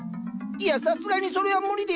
いやさすがにそれは無理ですよ。